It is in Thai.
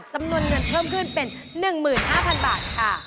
จำนวนเงินเพิ่มขึ้นเป็น๑๕๐๐๐บาทค่ะ